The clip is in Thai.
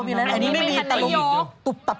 คราวนี้ไม่มีตะลุยอก